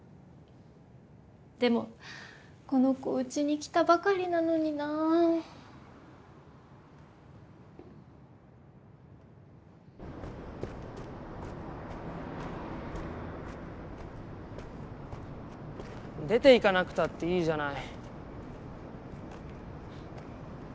でもこの子うちに来たばかりなのにな。出ていかなくたっていいじゃない？